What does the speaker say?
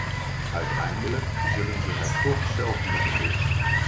Uiteindelijk zullen ze het toch zelf moeten doen.